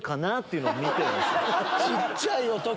小っちゃい男！